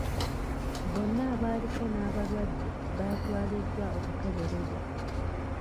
Bonna abaaliko n'abalwadde baatwaliddwa okukeberebwa.